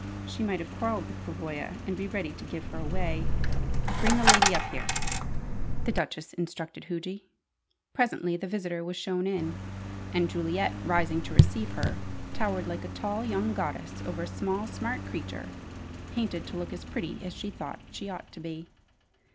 She might have quarrelled with Pavoya, and be ready to "give her away." "Bring the lady up here," the Duchess instructed Huji. Presently the visitor was shown in; and Juliet, rising to receive her, towered like a tall young goddess over a small, smart creature, painted to look as pretty as she thought she ought to be.